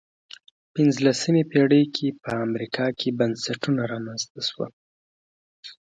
پنځلسمې پېړۍ کې په امریکا کې بنسټونه رامنځته شول.